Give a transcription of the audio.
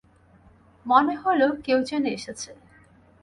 মনে হল কেউ যেন এসেছে।